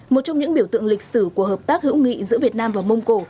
một trong những biểu tượng lịch sử của hợp tác hữu nghị giữa việt nam và mông cổ